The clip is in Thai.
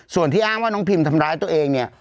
ส่วนที่อ้างว่าน้องพิมทำร้ายตัวเองเนี่ย